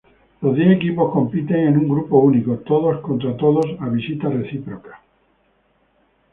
Los diez equipos compiten en un grupo único, todos contra todos a visita reciproca.